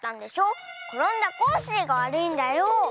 ころんだコッシーがわるいんだよ。